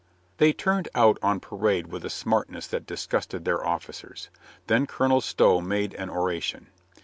They turned out on parade with a smartness that disgusted their officers. Then Colonel Stow made an oration.